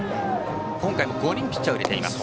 今回も５人のピッチャーを入れています。